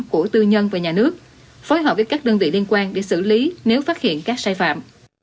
của tư nhân và nhà nước phối hợp với các đơn vị liên quan để xử lý nếu phát hiện các sai phạm